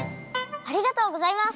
ありがとうございます！